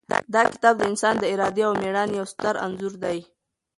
دا کتاب د انسان د ارادې او مېړانې یو ستر انځور دی.